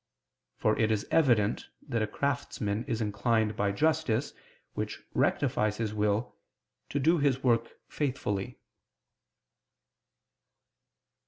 For it is evident that a craftsman is inclined by justice, which rectifies his will, to do his work faithfully.